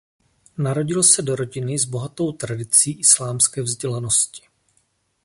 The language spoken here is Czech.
Narodil se do rodiny s bohatou tradicí islámské vzdělanosti.